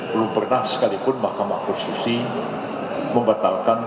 belum pernah sekalipun mahkamah konstitusi membatalkan